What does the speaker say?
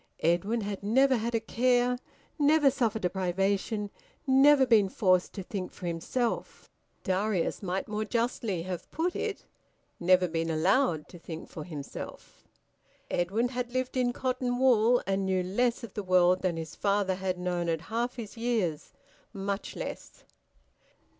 Edwin had never had a care, never suffered a privation, never been forced to think for himself. (Darius might more justly have put it never been allowed to think for himself.) Edwin had lived in cotton wool, and knew less of the world than his father had known at half his years; much less.